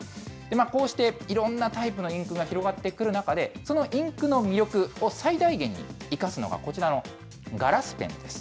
こうして、いろんなタイプのインクが広がってくる中で、そのインクの魅力を最大限に生かすのがこちらのガラスペンです。